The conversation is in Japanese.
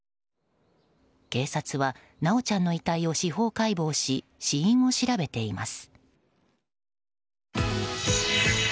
警察は、修ちゃんの遺体を司法解剖し死因を調べています。